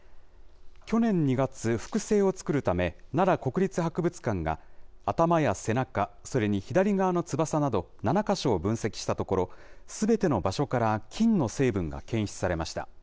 去年２月、複製を作るため、奈良国立博物館が、頭や背中、それに左側の翼など７か所を分析したところ、すべての場所から金の成分が検出されました。